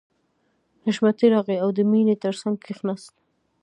حشمتي راغی او د مینې تر څنګ کښېناست